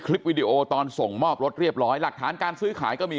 วิดีโอตอนส่งมอบรถเรียบร้อยหลักฐานการซื้อขายก็มี